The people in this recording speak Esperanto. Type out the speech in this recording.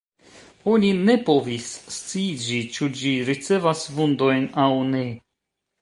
Oni ne povis sciiĝi ĉu ĝi ricevas vundojn aŭ ne.